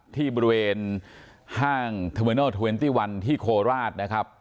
ที่บริเวณห้างเทอร์มินอลเทอร์เวนตี้วันที่โคราชนะครับ